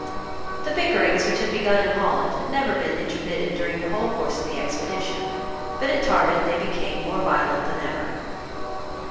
The bickerings which had begun in Holland had never been intermitted during the whole course of the expedition; but at Tarbet they became more violent than ever.